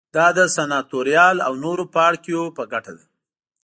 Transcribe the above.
دا د سناتوریال او نورو پاړوکیو په ګټه وه